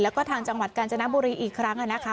แล้วก็ทางจังหวัดกาญจนบุรีอีกครั้งนะคะ